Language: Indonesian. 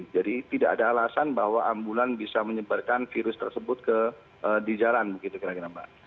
jadi tidak ada alasan bahwa ambulans bisa menyebarkan virus tersebut ke di jalan begitu kira kira mbak